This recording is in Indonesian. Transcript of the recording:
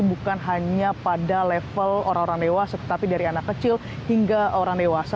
bukan hanya pada level orang orang dewasa tetapi dari anak kecil hingga orang dewasa